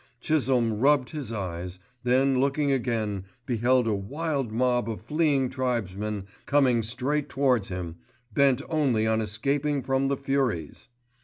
Chisholme rubbed his eyes, then looking again beheld a wild mob of fleeing tribesmen coming straight towards him, bent only on escaping from the furies.